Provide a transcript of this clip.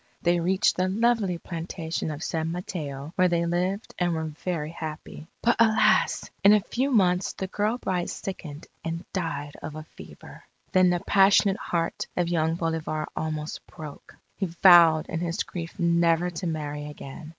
They reached the lovely plantation of San Mateo, where they lived and were very happy. But, alas! in a few months the girl bride sickened and died of a fever. Then the passionate heart of young Bolivar almost broke. He vowed in his grief never to marry again.